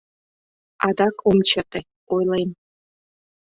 Адак ом чыте, ойлем: